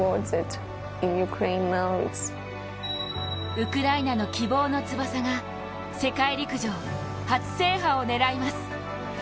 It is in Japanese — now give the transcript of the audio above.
ウクライナの希望の翼が世界陸上初制覇を狙います。